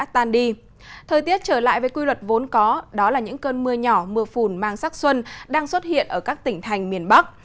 thời tiết trở lại với quy luật vốn có đó là những cơn mưa nhỏ mưa phùn mang sắc xuân đang xuất hiện ở các tỉnh thành miền bắc